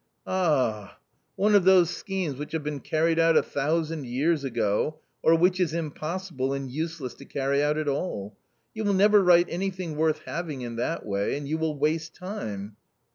" Ah ! one of those schemes which have been carried out a thousand years ago, or which is impossible and useless to carry out at all ; you will never write anything worth having in that way, and you will waste time.